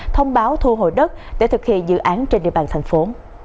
thông báo thu hồi đất để thực hiện dự án trên địa bàn thành phố